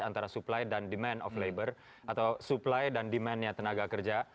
antara supply dan demand of labor atau supply dan demandnya tenaga kerja